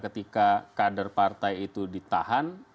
ketika kader partai itu ditahan